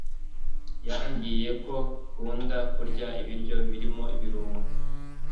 yambwiye ko ukunda kurya ibiryo birimo ibirungo.